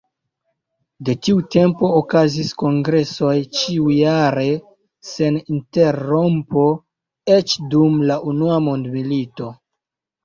De tiu tempo okazis kongresoj ĉiujare sen interrompo, eĉ dum la Unua Mondmilito.